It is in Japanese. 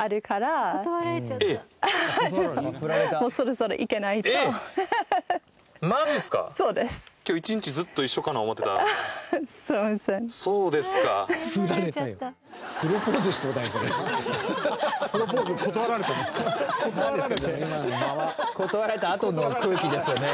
ウエンツ：断られたあとの空気ですよね。